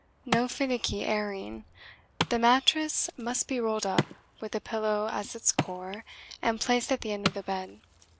No finicky "airing"! The mattress must be rolled up, with the pillow as its core, and placed at the end of the bed.